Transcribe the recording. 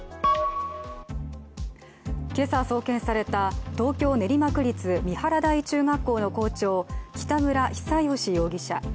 今朝送検された東京・練馬区立三原台中学校の校長、北村比左嘉容疑者。